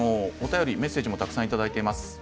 メッセージもたくさんいただいています。